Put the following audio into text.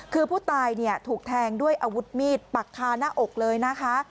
คือผู้ตายเนี่ยถูกแทงด้วยอาวุธมีดปักคาหน้าอกเลยนะคะ